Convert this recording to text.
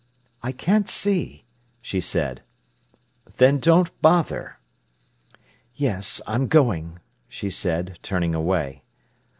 "I can't see," she said. "Then don't bother." "Yes; I'm going!" she said, turning away.